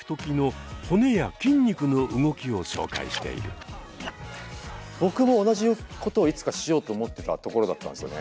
こちらの動画では僕も同じことをいつかしようと思ってたところだったんですよね。